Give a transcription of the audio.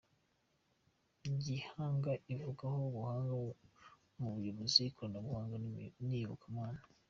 Gihanga avugwaho ubuhanga mu buyobozi, ikoranabuhanga n’iyobokamana.